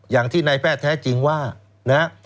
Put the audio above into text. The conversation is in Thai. อย่างที่นายแพทย์แท้จริงว่านะฮะ